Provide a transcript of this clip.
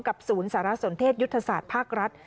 ศูนย์สารสนเทศยุทธศาสตร์ภาครัฐ